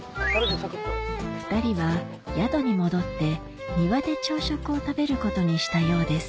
２人は宿に戻って庭で朝食を食べることにしたようです